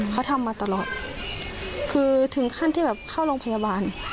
เขาทำมาตลอดคือถึงขั้นที่แบบเข้าโรงพยาบาล